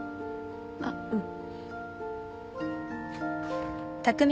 あっうん。